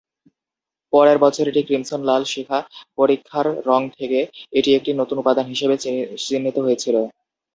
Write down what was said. পরের বছর এটির ক্রিমসন-লাল শিখা পরীক্ষার রঙ থেকে এটি একটি নতুন উপাদান হিসাবে চিহ্নিত হয়েছিল।